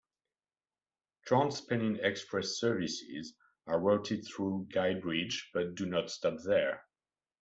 TransPennine Express services are routed through Guide Bridge but do not stop there.